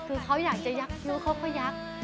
คือเขาอยากจะยักษ์เนื้อเขาก็ยัก